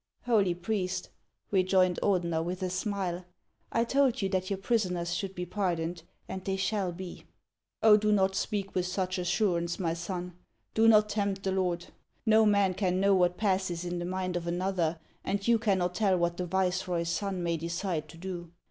"Holy priest," rejoined Ordener, with a smile, "I told you that your prisoners should be pardoned, and they shall be." " Oh, do not speak with such assurance, my son ! Do not tempt the Lord ! No man can know what passes in the mind of another, and you cannot tell what the vice roy's son may decide to do.